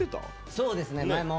そうですね前も。